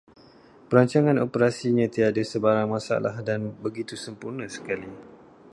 Perancangan operasinya tiada sebarang masalah dan begitu sempurna sekali